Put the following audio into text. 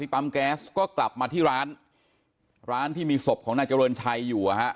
แต่ก็ไม่ทันนะฮะสามีเสียชีวิต